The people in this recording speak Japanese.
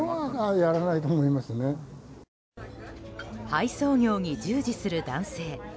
配送業に従事する男性。